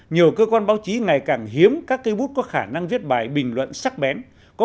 nhiều cơ quan báo chí ngày càng hiếm các cây bút có khả năng viết bài bình luận sắc bén